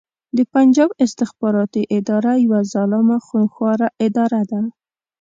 د پنجاب استخباراتې اداره يوه ظالمه خونښواره اداره ده